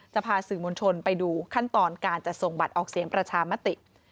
พาสื่อมวลชนไปดูขั้นตอนการจัดส่งบัตรออกเสียงประชามติ